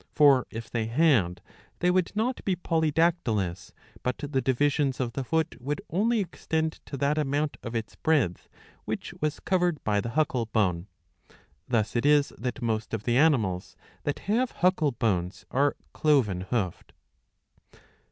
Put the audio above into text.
For if they had they would not be poly dactylous, but the divisions of the foot would only extend to that amount of its breadth which was covered by the huckle bone.*^ Thus it is that most of the animals that have huckle bones are cloven hoofed.